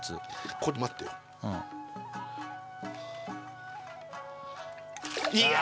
ここで待ってよううんいや